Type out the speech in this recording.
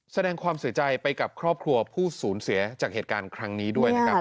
แสดงความเสียใจไปกับครอบครัวผู้สูญเสียจากเหตุการณ์ครั้งนี้ด้วยนะครับ